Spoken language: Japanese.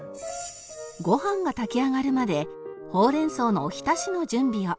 ご飯が炊き上がるまでほうれん草のおひたしの準備を